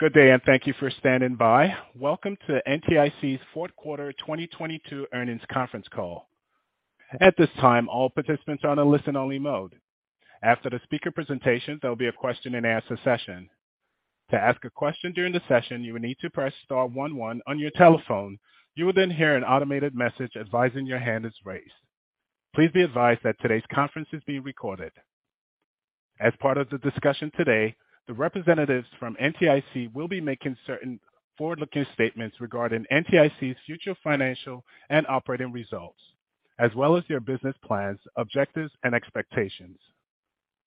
Good day, and thank you for standing by. Welcome to NTIC's fourth quarter 2022 earnings conference call. At this time, all participants are on a listen-only mode. After the speaker presentation, there'll be a question-and-answer session. To ask a question during the session, you will need to press star one one on your telephone. You will then hear an automated message advising your hand is raised. Please be advised that today's conference is being recorded. As part of the discussion today, the representatives from NTIC will be making certain forward-looking statements regarding NTIC's future financial and operating results, as well as their business plans, objectives, and expectations.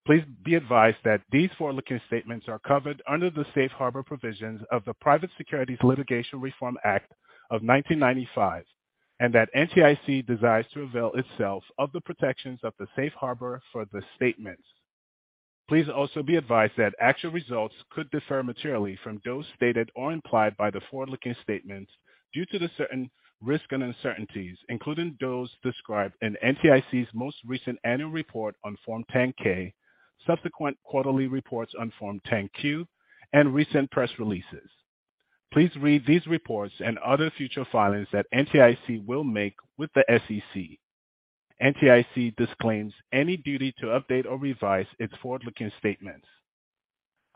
Please be advised that these forward-looking statements are covered under the safe harbor provisions of the Private Securities Litigation Reform Act of 1995, and that NTIC desires to avail itself of the protections of the safe harbor for the statements. Please also be advised that actual results could differ materially from those stated or implied by the forward-looking statements due to certain risks and uncertainties, including those described in NTIC's most recent annual report on Form 10-K, subsequent quarterly reports on Form 10-Q, and recent press releases. Please read these reports and other future filings that NTIC will make with the SEC. NTIC disclaims any duty to update or revise its forward-looking statements.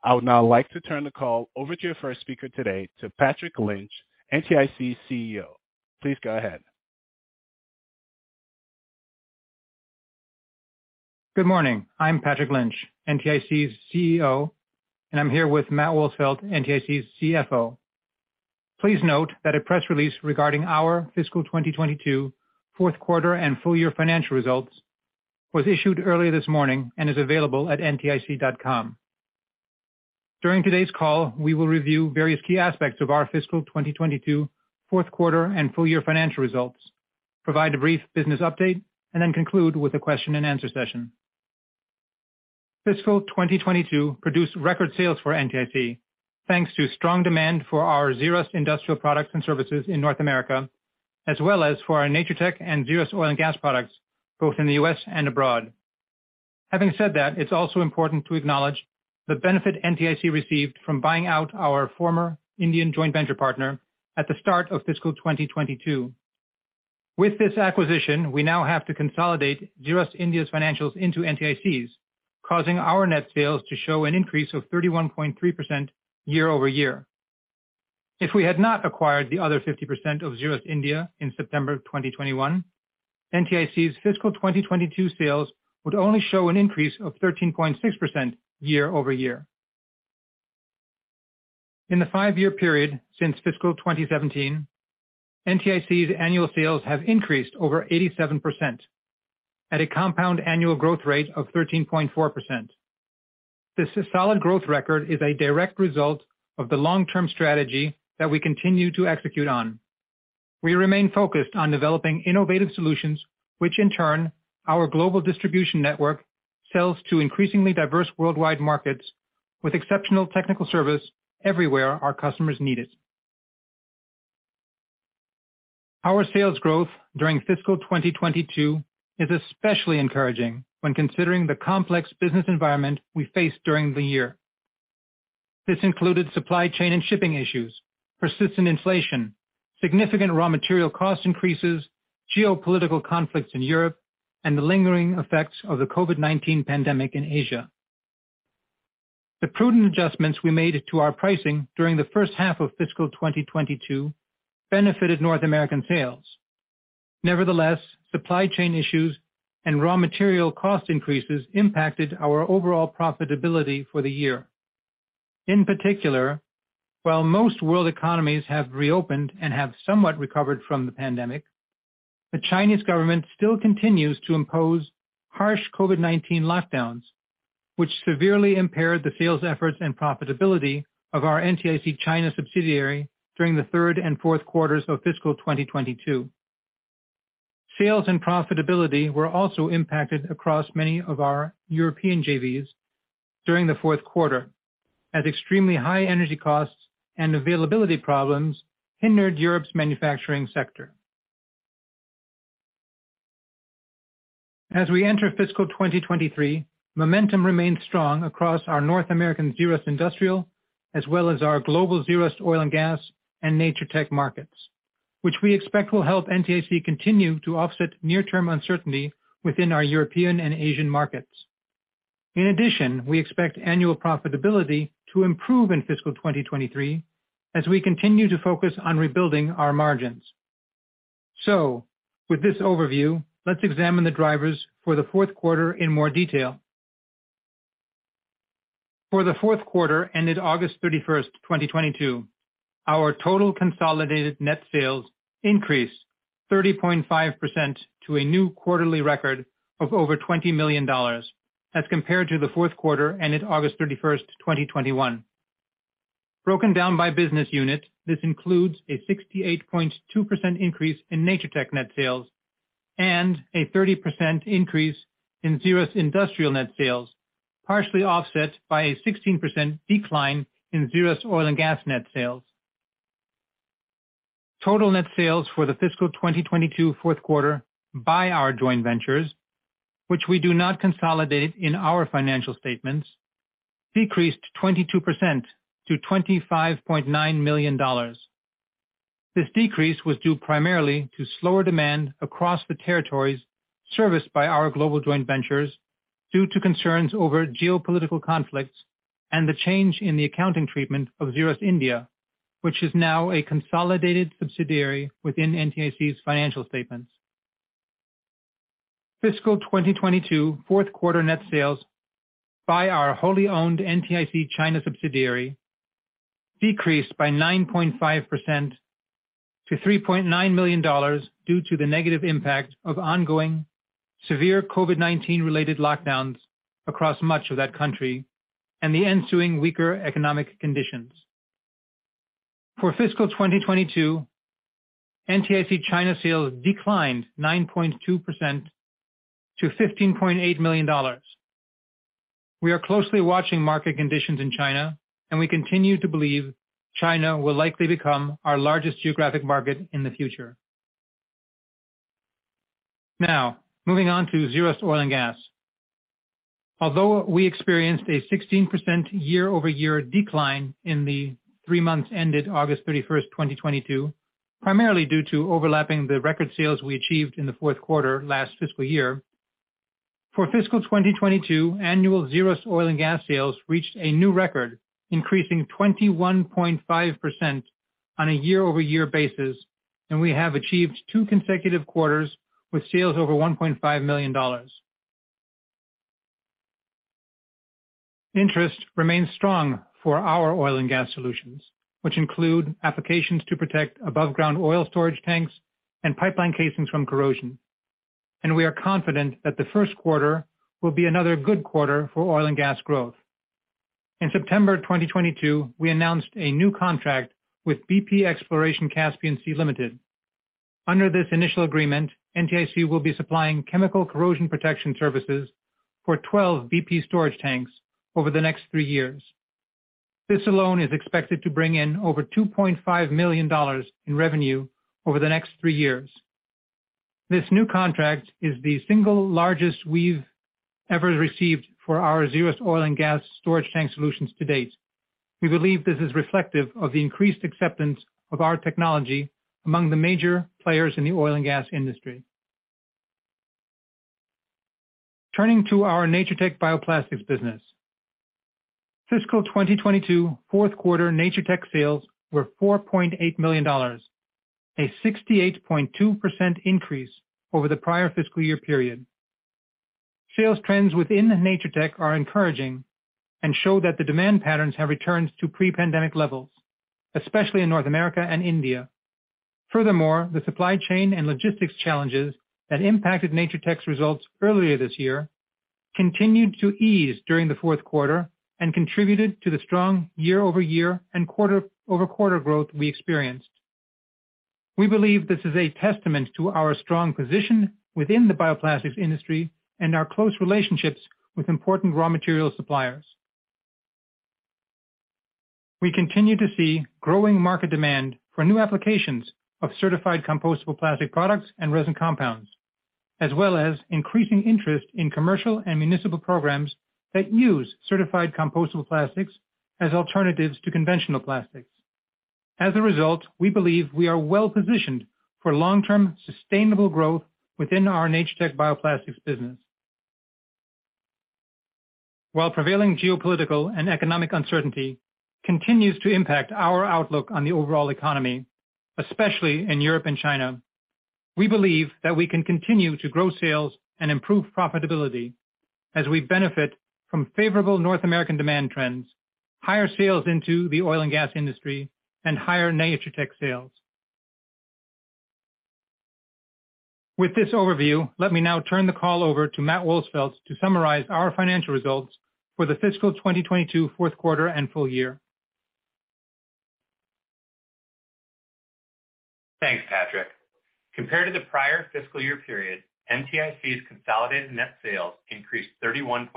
I would now like to turn the call over to your first speaker today, to Patrick Lynch, NTIC's CEO. Please go ahead. Good morning. I'm Patrick Lynch, NTIC's CEO, and I'm here with Matt Wolsfeld, NTIC's CFO. Please note that a press release regarding our fiscal 2022 fourth quarter and full year financial results was issued earlier this morning and is available at ntic.com. During today's call, we will review various key aspects of our fiscal 2022 fourth quarter and full year financial results, provide a brief business update, and then conclude with a question-and-answer session. Fiscal 2022 produced record sales for NTIC, thanks to strong demand for our Zerust industrial products and services in North America, as well as for our Natur-Tec and Zerust Oil & Gas products, both in the U.S. and abroad. Having said that, it's also important to acknowledge the benefit NTIC received from buying out our former Indian joint venture partner at the start of fiscal 2022. With this acquisition, we now have to consolidate Zerust India's financials into NTIC's, causing our net sales to show an increase of 31.3% year-over-year. If we had not acquired the other 50% of Zerust India in September 2021, NTIC's fiscal 2022 sales would only show an increase of 13.6% year-over-year. In the five-year period since fiscal 2017, NTIC's annual sales have increased over 87% at a compound annual growth rate of 13.4%. This solid growth record is a direct result of the long-term strategy that we continue to execute on. We remain focused on developing innovative solutions, which in turn our global distribution network sells to increasingly diverse worldwide markets with exceptional technical service everywhere our customers need it. Our sales growth during fiscal 2022 is especially encouraging when considering the complex business environment we faced during the year. This included supply chain and shipping issues, persistent inflation, significant raw material cost increases, geopolitical conflicts in Europe, and the lingering effects of the COVID-19 pandemic in Asia. The prudent adjustments we made to our pricing during the first half of fiscal 2022 benefited North American sales. Nevertheless, supply chain issues and raw material cost increases impacted our overall profitability for the year. In particular, while most world economies have reopened and have somewhat recovered from the pandemic, the Chinese government still continues to impose harsh COVID-19 lockdowns, which severely impaired the sales efforts and profitability of our NTIC China subsidiary during the third and fourth quarters of fiscal 2022. Sales and profitability were also impacted across many of our European JVs during the fourth quarter, as extremely high energy costs and availability problems hindered Europe's manufacturing sector. As we enter fiscal 2023, momentum remains strong across our North American Zerust industrial as well as our global Zerust Oil & Gas and Natur-Tec markets, which we expect will help NTIC continue to offset near-term uncertainty within our European and Asian markets. In addition, we expect annual profitability to improve in fiscal 2023 as we continue to focus on rebuilding our margins. With this overview, let's examine the drivers for the fourth quarter in more detail. For the fourth quarter ended August 31, 2022, our total consolidated net sales increased 30.5% to a new quarterly record of over $20 million as compared to the fourth quarter ended August 31, 2021. Broken down by business unit, this includes a 68.2% increase in Natur-Tec net sales and a 30% increase in Zerust industrial net sales, partially offset by a 16% decline in Zerust Oil & Gas net sales. Total net sales for the fiscal 2022 fourth quarter by our joint ventures, which we do not consolidate in our financial statements, decreased 22% to $25.9 million. This decrease was due primarily to slower demand across the territories serviced by our global joint ventures due to concerns over geopolitical conflicts and the change in the accounting treatment of Zerust India, which is now a consolidated subsidiary within NTIC's financial statements. Fiscal 2022 fourth quarter net sales by our wholly owned NTIC China subsidiary decreased by 9.5% to $3.9 million due to the negative impact of ongoing severe COVID-19 related lockdowns across much of that country and the ensuing weaker economic conditions. For fiscal 2022, NTIC China sales declined 9.2% to $15.8 million. We are closely watching market conditions in China, and we continue to believe China will likely become our largest geographic market in the future. Now, moving on to Zerust Oil & Gas. Although we experienced a 16% year-over-year decline in the three months ended August 31, 2022, primarily due to overlapping the record sales we achieved in the fourth quarter last fiscal year, for fiscal 2022 annual Zerust Oil & Gas sales reached a new record, increasing 21.5% on a year-over-year basis, and we have achieved two consecutive quarters with sales over $1.5 million. Interest remains strong for our oil and gas solutions, which include applications to protect above ground oil storage tanks and pipeline casings from corrosion. We are confident that the first quarter will be another good quarter for oil and gas growth. In September 2022, we announced a new contract with BP Exploration (Caspian Sea) Limited. Under this initial agreement, NTIC will be supplying chemical corrosion protection services for 12 BP storage tanks over the next three years. This alone is expected to bring in over $2.5 million in revenue over the next three years. This new contract is the single largest we've ever received for our Zerust Oil & Gas storage tank solutions to date. We believe this is reflective of the increased acceptance of our technology among the major players in the oil and gas industry. Turning to our Natur-Tec Bioplastics business. Fiscal 2022 fourth quarter Natur-Tec sales were $4.8 million, a 68.2% increase over the prior fiscal year period. Sales trends within Natur-Tec are encouraging and show that the demand patterns have returned to pre-pandemic levels, especially in North America and India. Furthermore, the supply chain and logistics challenges that impacted Natur-Tec's results earlier this year continued to ease during the fourth quarter and contributed to the strong year-over-year and quarter-over-quarter growth we experienced. We believe this is a testament to our strong position within the bioplastics industry and our close relationships with important raw material suppliers. We continue to see growing market demand for new applications of certified compostable plastic products and resin compounds, as well as increasing interest in commercial and municipal programs that use certified compostable plastics as alternatives to conventional plastics. As a result, we believe we are well-positioned for long-term sustainable growth within our Natur-Tec Bioplastics business. While prevailing geopolitical and economic uncertainty continues to impact our outlook on the overall economy, especially in Europe and China, we believe that we can continue to grow sales and improve profitability as we benefit from favorable North American demand trends, higher sales into the oil and gas industry, and higher Natur-Tec sales. With this overview, let me now turn the call over to Matt Wolsfeld to summarize our financial results for the fiscal 2022 fourth quarter and full year. Thanks, Patrick. Compared to the prior fiscal year period, NTIC's consolidated net sales increased 31.3%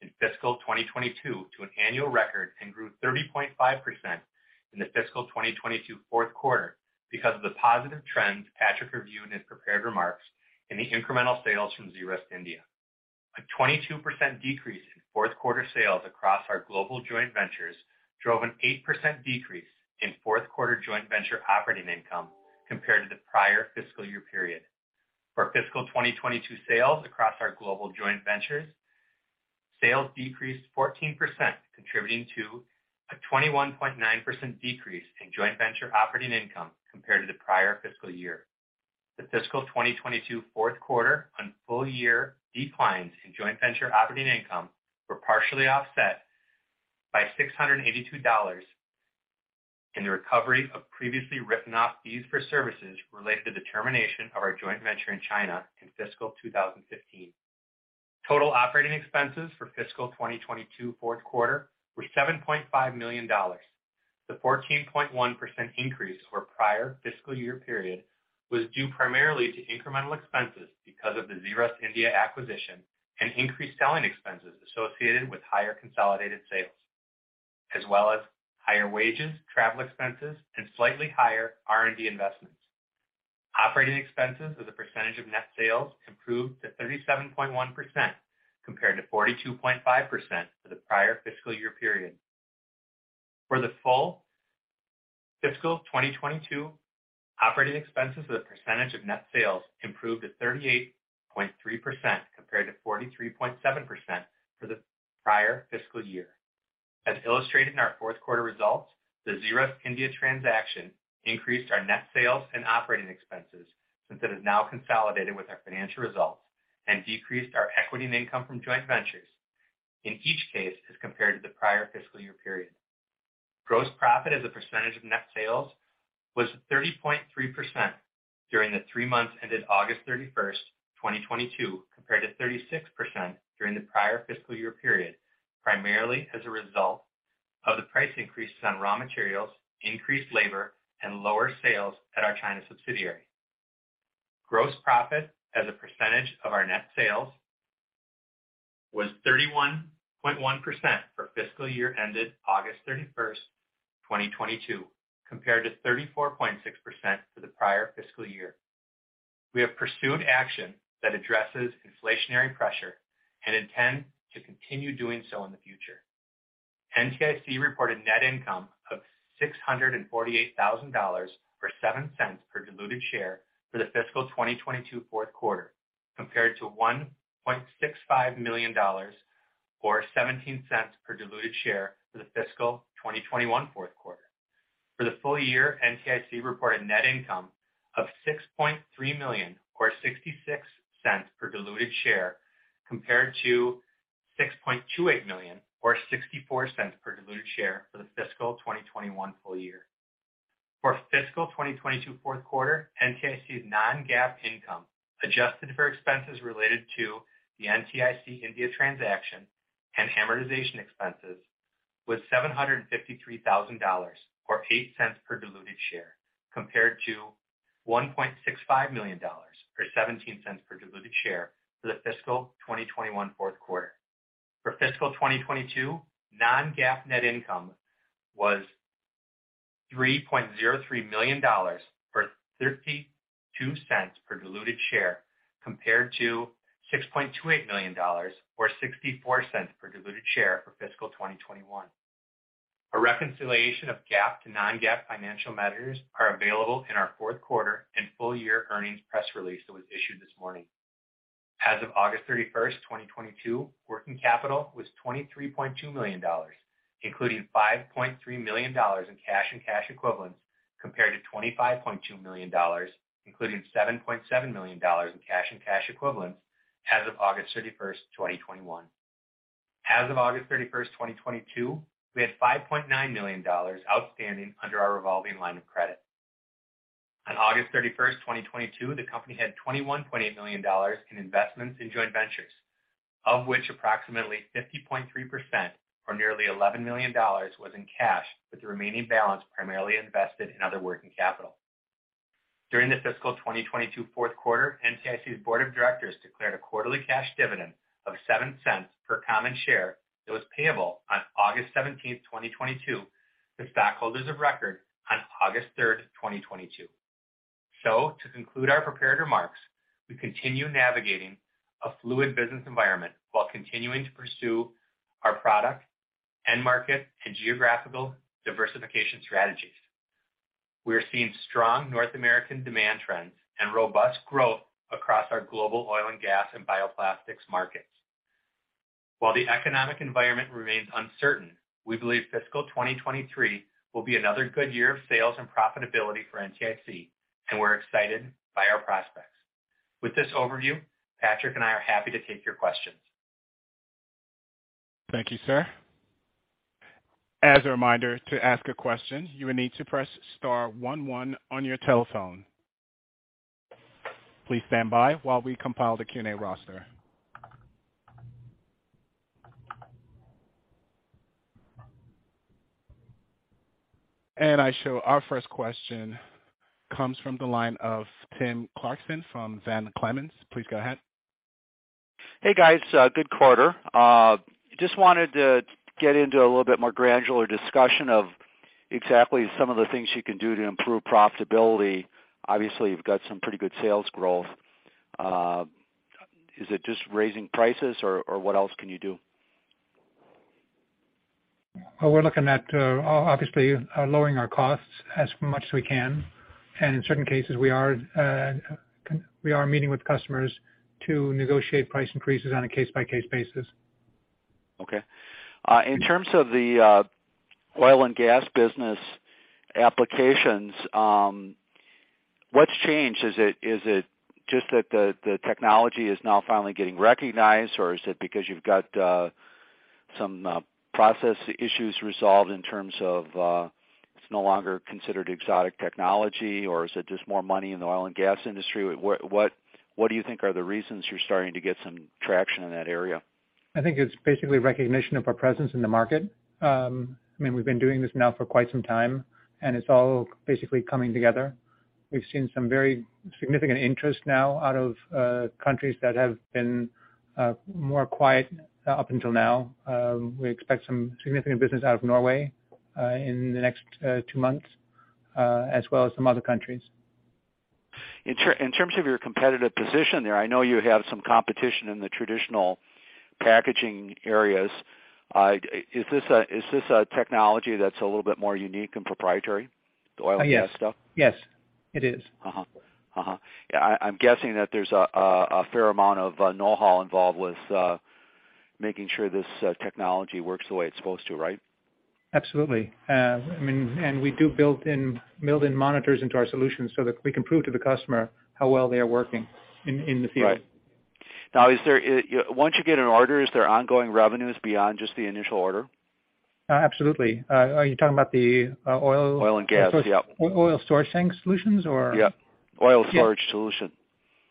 in fiscal 2022 to an annual record and grew 30.5% in the fiscal 2022 fourth quarter because of the positive trends Patrick reviewed in his prepared remarks in the incremental sales from Zerust India. A 22% decrease in fourth quarter sales across our global joint ventures drove an 8% decrease in fourth quarter joint venture operating income compared to the prior fiscal year period. For fiscal 2022 sales across our global joint ventures, sales decreased 14%, contributing to a 21.9% decrease in joint venture operating income compared to the prior fiscal year. The fiscal 2022 fourth quarter and full-year declines in joint venture operating income were partially offset by $682,000 in the recovery of previously written off fees for services related to the termination of our joint venture in China in fiscal 2015. Total operating expenses for fiscal 2022 fourth quarter were $7.5 million. The 14.1% increase over prior fiscal year period was due primarily to incremental expenses because of the Zerust India acquisition and increased selling expenses associated with higher consolidated sales, as well as higher wages, travel expenses, and slightly higher R&D investments. Operating expenses as a percentage of net sales improved to 37.1% compared to 42.5% for the prior fiscal year period. For the full fiscal 2022, operating expenses as a percentage of net sales improved to 38.3% compared to 43.7% for the prior fiscal year. As illustrated in our fourth quarter results, the Zerust India transaction increased our net sales and operating expenses since it is now consolidated with our financial results and decreased our equity and income from joint ventures in each case as compared to the prior fiscal year period. Gross profit as a percentage of net sales was 30.3% during the three months ended August 31, 2022, compared to 36% during the prior fiscal year period, primarily as a result of the price increases on raw materials, increased labor, and lower sales at our China subsidiary. Gross profit as a percentage of our net sales was 31.1% for fiscal year ended August 31, 2022, compared to 34.6% for the prior fiscal year. We have pursued action that addresses inflationary pressure and intend to continue doing so in the future. NTIC reported net income of $648,000, or $0.07 per diluted share for the fiscal 2022 fourth quarter, compared to $1.65 million, or $0.17 per diluted share for the fiscal 2021 fourth quarter. For the full year, NTIC reported net income of $6.3 million or $0.66 per diluted share, compared to $6.28 million or $0.64 per diluted share for the fiscal 2021 full year. For fiscal 2022 fourth quarter, NTIC's non-GAAP income, adjusted for expenses related to the NTIC India transaction and amortization expenses, was $753 thousand or $0.08 per diluted share, compared to $1.65 million or $0.17 per diluted share for the fiscal 2021 fourth quarter. For fiscal 2022, non-GAAP net income was $3.03 million, or $0.32 per diluted share, compared to $6.28 million or $0.64 per diluted share for fiscal 2021. A reconciliation of GAAP to non-GAAP financial measures are available in our fourth quarter and full year earnings press release that was issued this morning. As of August 31st, 2022, working capital was $23.2 million, including $5.3 million in cash and cash equivalents, compared to $25.2 million, including $7.7 million in cash and cash equivalents as of August 31st, 2021. As of August 31st, 2022, we had $5.9 million outstanding under our revolving line of credit. On August 31st, 2022, the company had $21.8 million in investments in joint ventures, of which approximately 50.3% or nearly $11 million was in cash, with the remaining balance primarily invested in other working capital. During the fiscal 2022 fourth quarter, NTIC's board of directors declared a quarterly cash dividend of $0.07 per common share that was payable on August 17, 2022 to stockholders of record on August 3, 2022. To conclude our prepared remarks, we continue navigating a fluid business environment while continuing to pursue our product, end market, and geographical diversification strategies. We are seeing strong North American demand trends and robust growth across our global oil and gas and bioplastics markets. While the economic environment remains uncertain, we believe fiscal 2023 will be another good year of sales and profitability for NTIC, and we're excited by our prospects. With this overview, Patrick and I are happy to take your questions. Thank you, sir. As a reminder, to ask a question, you will need to press star one one on your telephone. Please stand by while we compile the Q&A roster. I show our first question comes from the line of Tim Clarkson from Van Clemens. Please go ahead. Hey, guys, good quarter. Just wanted to get into a little bit more granular discussion of exactly some of the things you can do to improve profitability. Obviously, you've got some pretty good sales growth. Is it just raising prices or what else can you do? Well, we're looking at obviously lowering our costs as much as we can, and in certain cases, we are meeting with customers to negotiate price increases on a case-by-case basis. Okay. In terms of the oil and gas business applications, what's changed? Is it just that the technology is now finally getting recognized, or is it because you've got some process issues resolved in terms of it's no longer considered exotic technology, or is it just more money in the oil and gas industry? What do you think are the reasons you're starting to get some traction in that area? I think it's basically recognition of our presence in the market. I mean, we've been doing this now for quite some time, and it's all basically coming together. We've seen some very significant interest now out of countries that have been more quiet up until now. We expect some significant business out of Norway in the next 2 months as well as some other countries. In terms of your competitive position there, I know you have some competition in the traditional packaging areas. Is this a technology that's a little bit more unique and proprietary, the oil and gas stuff? Yes. It is. Yeah, I'm guessing that there's a fair amount of know-how involved with making sure this technology works the way it's supposed to, right? Absolutely. I mean, and we do build in monitors into our solutions so that we can prove to the customer how well they are working in the field. Right. Now, is there, once you get an order, is there ongoing revenues beyond just the initial order? Absolutely. Are you talking about the, oil— Oil and gas, yep. oil storage tank solutions or Yep. Oil storage solution.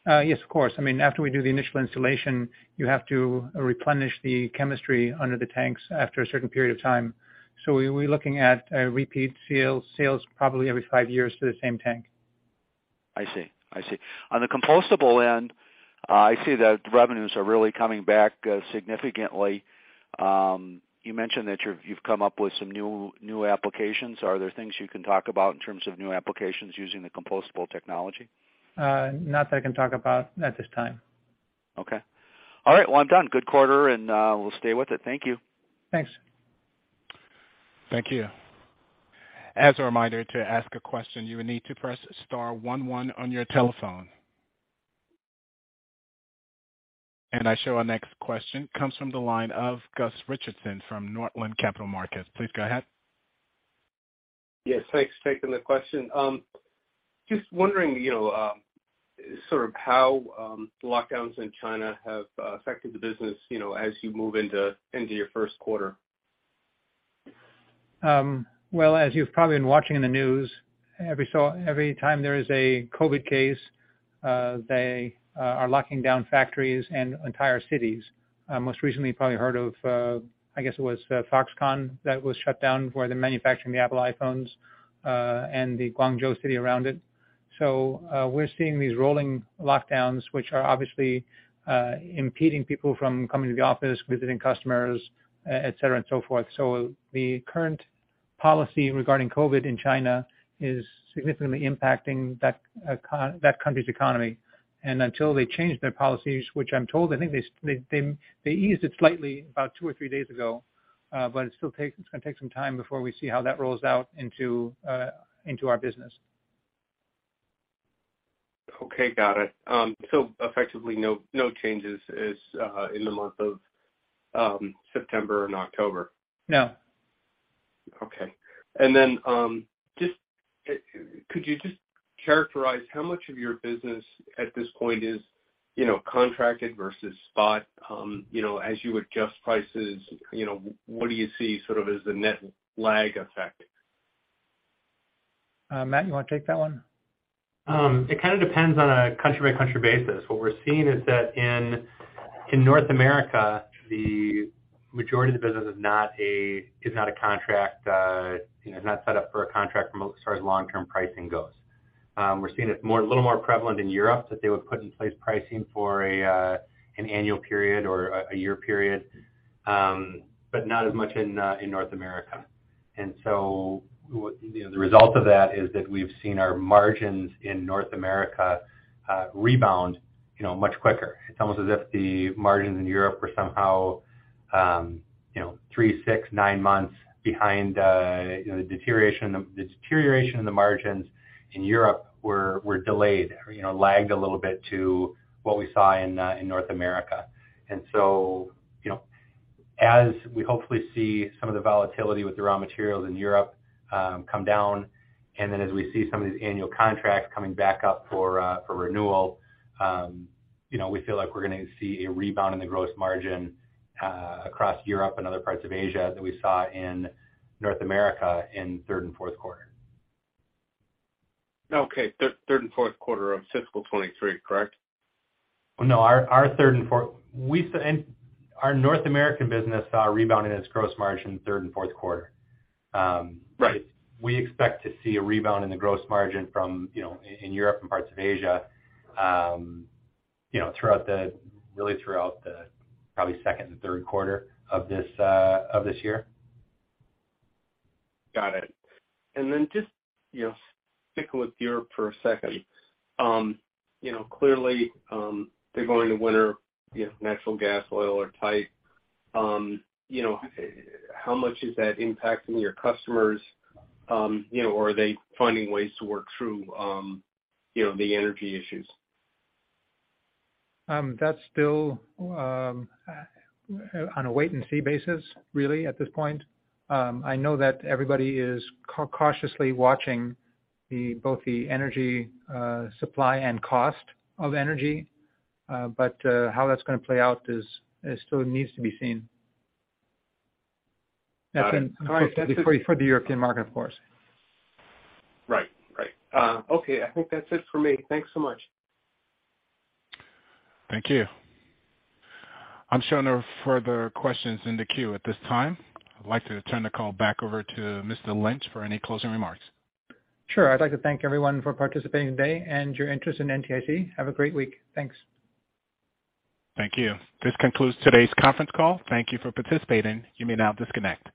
Yes, of course. I mean, after we do the initial installation, you have to replenish the chemistry under the tanks after a certain period of time. We're looking at repeat sales probably every five years for the same tank. I see. On the compostable end, I see that revenues are really coming back significantly. You mentioned that you've come up with some new applications. Are there things you can talk about in terms of new applications using the compostable technology? Not that I can talk about at this time. Okay. All right, well done. Good quarter, and we'll stay with it. Thank you. Thanks. Thank you. As a reminder, to ask a question, you will need to press star one one on your telephone. Our next question comes from the line of Gus Richard from Northland Capital Markets. Please go ahead. Yes, thanks for taking the question. Just wondering, you know, sort of how the lockdowns in China have affected the business, you know, as you move into your first quarter. As you've probably been watching in the news, every time there is a COVID case, they are locking down factories and entire cities. Most recently you probably heard of, I guess it was, Foxconn that was shut down, where they're manufacturing the Apple iPhones, and the Guangzhou city around it. We're seeing these rolling lockdowns, which are obviously impeding people from coming to the office, visiting customers, et cetera and so forth. The current policy regarding COVID in China is significantly impacting that country's economy. Until they change their policies, which I'm told, I think they eased it slightly about two or three days ago, but it's gonna take some time before we see how that rolls out into our business. Okay. Got it. Effectively, no changes as in the month of September and October? No. Okay. Just, could you just characterize how much of your business at this point is, you know, contracted versus spot? You know, as you adjust prices, you know, what do you see sort of as the net lag effect? Matt, you wanna take that one? It kind of depends on a country-by-country basis. What we're seeing is that in North America, the majority of the business is not a contract, you know, is not set up for a contract from as far as long-term pricing goes. We're seeing it a little more prevalent in Europe, that they would put in place pricing for an annual period or a year period, but not as much in North America. You know, the result of that is that we've seen our margins in North America rebound, you know, much quicker. It's almost as if the margins in Europe were somehow, you know, three, six, nine months behind, you know, the deterioration of the margins in Europe were delayed or, you know, lagged a little bit to what we saw in North America. You know, as we hopefully see some of the volatility with the raw materials in Europe, come down, and then as we see some of these annual contracts coming back up for renewal, you know, we feel like we're gonna see a rebound in the gross margin, across Europe and other parts of Asia that we saw in North America in third and fourth quarter. Okay. Third and fourth quarter of fiscal 2023, correct? No, our third and fourth. Our North American business saw a rebound in its gross margin third and fourth quarter. Right. We expect to see a rebound in the gross margin from, you know, in Europe and parts of Asia, you know, throughout the, really throughout the probably second and third quarter of this year. Got it. Just, you know, stick with Europe for a second. You know, clearly, they're going into winter, you know, natural gas, oil are tight. You know, how much is that impacting your customers, you know, or are they finding ways to work through, you know, the energy issues? That's still on a wait and see basis really at this point. I know that everybody is cautiously watching both the energy supply and cost of energy, but how that's gonna play out is still needs to be seen. Got it. All right. Of course, that's for the European market, of course. Right. Okay, I think that's it for me. Thanks so much. Thank you. I'm showing no further questions in the queue at this time. I'd like to turn the call back over to Mr. Lynch for any closing remarks. Sure. I'd like to thank everyone for participating today and your interest in NTIC. Have a great week. Thanks. Thank you. This concludes today's conference call. Thank you for participating. You may now disconnect.